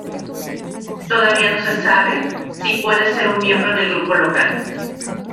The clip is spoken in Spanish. Todavía no se sabe si puede ser un miembro del Grupo Local.